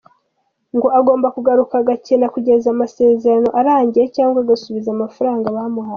Ngo agomba kugaruka agakina kugeza amasezerano arangiye cyangwa agasubiza amafaranga bamuhaye.